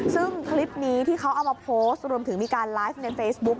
ซึ่งคลิปนี้ที่เขาเอามาโพสต์รวมถึงมีการไลฟ์ในเฟซบุ๊ก